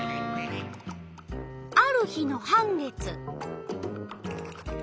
ある日の半月。